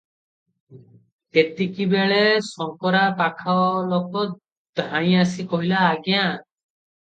ତେତିକିବେଳେ ଶଙ୍କରା ପାଖଲୋକ ଧାଇଁ ଆସି କହିଲା, "ଆଜ୍ଞା!